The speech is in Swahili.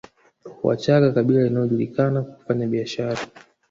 Wachaga kabila linalojulikana kwa kufanya biashara